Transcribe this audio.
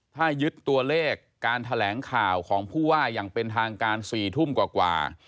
ถ้ายึดตัวเลขการแถลงข่าวของผู้ว่าอย่างเป็นทางการ๔ทุ่มกว่า